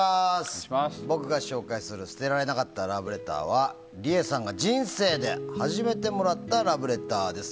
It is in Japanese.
僕が紹介する捨てられなかったラブレターはリエさんが人生で初めてもらったラブレターです。